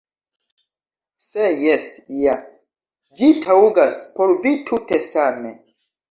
Se jes ja, ĝi taŭgas por vi tute same.